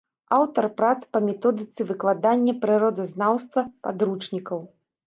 Аўтар прац па методыцы выкладання прыродазнаўства, падручнікаў.